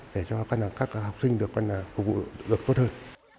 để cho các học sinh được phục vụ được tốt hơn